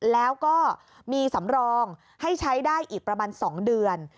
แล้วก็มีสำรองให้ใช้ได้อีกประมาณ๒เดือน